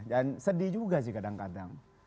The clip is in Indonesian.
dan sedih juga sih kadang kadang